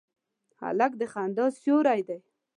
هلک د خندا سیوری دی.